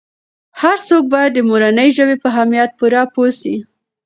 هر څوک باید د مورنۍ ژبې په اهمیت پوره پوه سي.